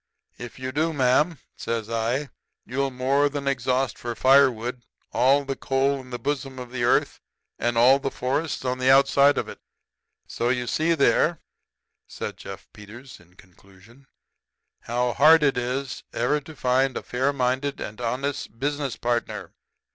"'If you do, ma'am,' says I, 'you'll more than exhaust for firewood all the coal in the bosom of the earth and all the forests on the outside of it.' "So there, you see," said Jefferson Peters, in conclusion, "how hard it is ever to find a fair minded and honest business partner."